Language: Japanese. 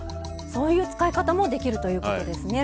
そういう使い方もできるということですね。